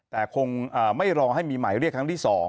แต่คงไม่รอให้มีหมายเรียกครั้งที่๒